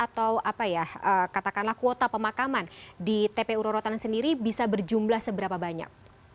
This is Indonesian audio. atau apa ya katakanlah kuota pemakaman di tpu rorotan sendiri bisa berjumlah seberapa banyak